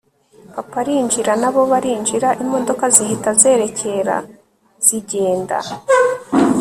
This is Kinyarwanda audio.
papa arinjira nabo barinjira imodoka zihita zerekera zigenda